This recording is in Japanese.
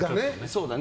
そうだね。